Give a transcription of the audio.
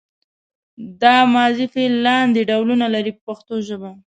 دا ماضي فعل لاندې ډولونه لري په پښتو ژبه.